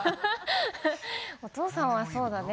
お父さんはそうだね